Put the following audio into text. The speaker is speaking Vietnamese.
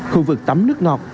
khu vực tắm nước ngọt